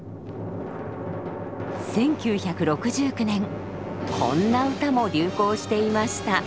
１９６９年こんな歌も流行していました。